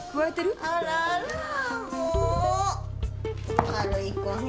あらあらもう悪い子ね。